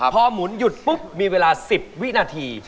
พอหมุนหยุดปุ๊บมีเวลา๑๐วินาที